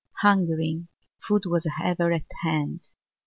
Hungering, food was ever at hand.